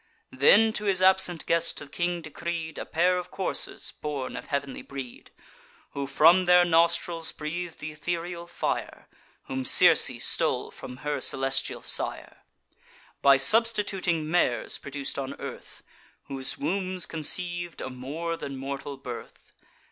Then to his absent guest the king decreed A pair of coursers born of heav'nly breed, Who from their nostrils breath'd ethereal fire; Whom Circe stole from her celestial sire, By substituting mares produc'd on earth, Whose wombs conceiv'd a more than mortal birth.